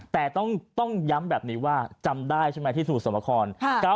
แต่ต้องย้ำแบบนี้ว่าจำได้ใช่ไหมที่สมุทรสมคร